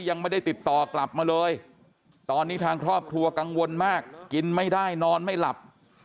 ยังไม่ได้ติดต่อกลับมาเลยตอนนี้ทางครอบครัวกังวลมากกินไม่ได้นอนไม่หลับ